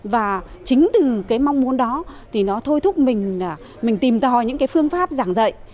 và chính từ cái mong muốn đó thì nó thôi thúc mình là mình tìm tòi những cái phương pháp giảng dạy